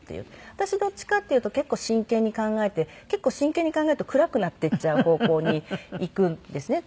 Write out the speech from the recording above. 私どっちかっていうと結構真剣に考えて結構真剣に考えると暗くなっていっちゃう方向にいくんですね。